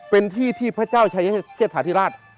เป็นที่ที่พระเจ้าใช้ให้เทียบถาธิราช